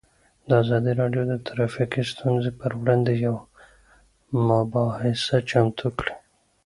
ازادي راډیو د ټرافیکي ستونزې پر وړاندې یوه مباحثه چمتو کړې.